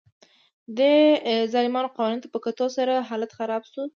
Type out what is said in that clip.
دې ظالمانه قوانینو ته په کتو سره حالت خراب شو